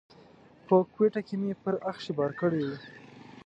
په کوټه کې مې پر اخښي بار کړی و.